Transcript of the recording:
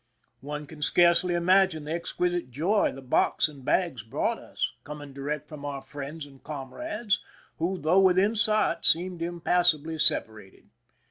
One can scarcely imagine the exquisite joy the box and bags brought us, coming direct from our friends and comrades, who, though within sight, seemed impassably separated.